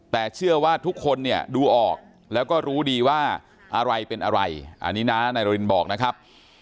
แต่เชื่อว่าทุกคนเนี่ยดูออกแล้วก็รู้ดีว่าอะไรเป็นอะไรอันนี้น้านายนารินบอกนะครับ